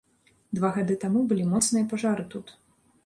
Два гады таму былі моцныя пажары тут.